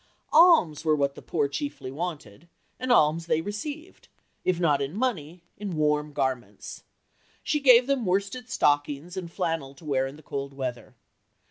Alms were what the poor chiefly wanted, and alms they received if not in money, in warm garments. She gave them worsted stockings, and flannel to wear in the cold weather.